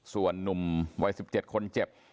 ส่วนทุกคนเจ็บ